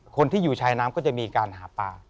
คนที่อยู่ชายน้ำก็จะมีการหาปลา